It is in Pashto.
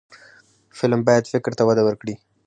فلم باید فکر ته وده ورکړي